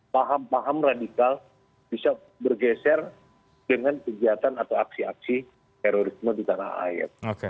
paham paham radikal bisa bergeser dengan kegiatan atau aksi aksi terorisme di tanah air